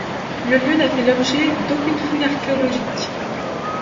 Le lieu n'a fait l'objet d'aucunes fouilles archéologiques.